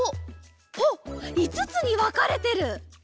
おっいつつにわかれてる！